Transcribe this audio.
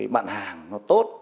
bạn hàng tốt